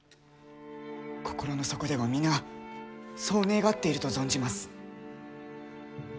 心の底では皆そう願っていると存じます。